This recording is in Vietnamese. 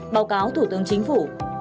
báo cáo thủ tướng chính phủ